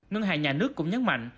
ngân hàng nhà nước cũng nhấn mạnh